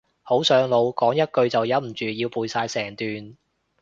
好上腦，講一句就忍唔住要背晒成段